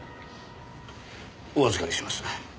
お預かりします。